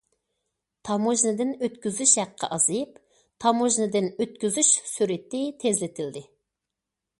تاموژنىدىن ئۆتكۈزۈش ھەققى ئازىيىپ، تاموژنىدىن ئۆتكۈزۈش سۈرئىتى تېزلىتىلدى.